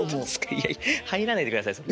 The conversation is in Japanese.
いや入らないでくださいそこ。